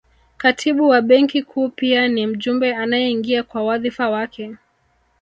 Katibu wa Benki Kuu pia ni mjumbe anayeingia kwa wadhifa wake